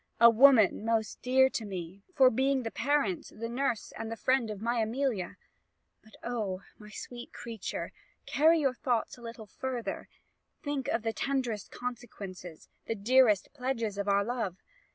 a woman most dear to me, for being the parent, the nurse, and the friend of my Amelia. But oh! my sweet creature, carry your thoughts a little further. Think of the tenderest consequences, the dearest pledges of our love.